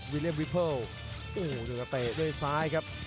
วิลเลียมวิปเปิ้ลโอ้โหเดี๋ยวก็เตะด้วยซ้ายครับ